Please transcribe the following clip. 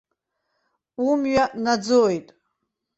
Умҩа наӡоит!